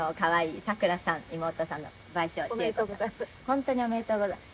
本当におめでとうござい。